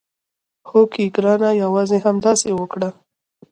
هوکې ګرانه یوازې همداسې وکړه.